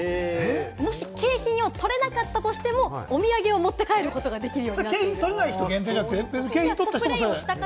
もし景品を取れなかったとしてもお土産を持って帰ることができると。